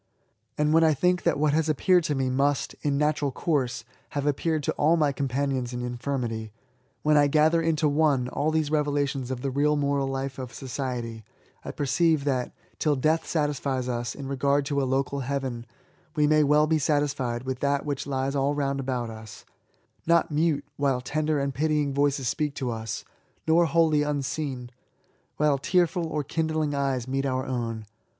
And when I think that what has appeared to me must, in natural course, have appeared to all my companions in infirmity, when I gather into one all these revelations of the real moral life of society, I perceive that^ till death satisfies us in regard to a local heaven, we may well be satisfied with that which lies all round about us — not mute, while tender and pitying voices speak to us; nor wholly unseen, while tearM or kindling eyes meet our own.